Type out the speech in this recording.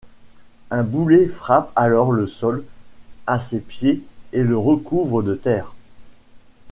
Un boulet frappe alors le sol à ses pieds et le recouvre de terre.